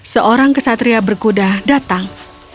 seorang kesatria berkuda datang